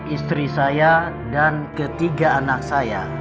istri saya dan ketiga anak saya